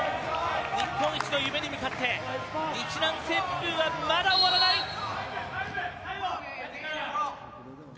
日本一の夢に向かって日南旋風はまだ終わらない。